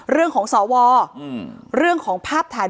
เรื่องของสอวเรื่องของภาพถ่าย